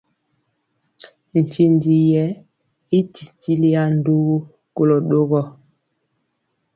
Ntinji yɛ i titiliya ndugu kolɔ ɗogɔ.